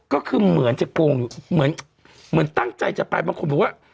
ก็คือเหมือนจะโกงอยู่เหมือนตั้งใจจะไปบางคนบอกว่า